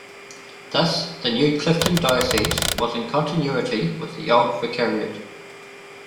Thus the new Clifton diocese was in continuity with the old vicariate.